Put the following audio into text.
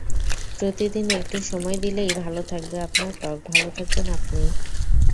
প্রতিদিন একটু সময় দিলেই ভালো থাকবে আপনার ত্বক, ভালো থাকবেন আপনি।